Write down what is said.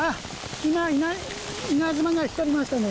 今、稲妻が光りましたね。